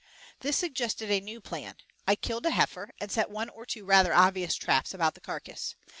This suggested a new plan. I killed a heifer, and set one or two rather obvious traps about the carcass.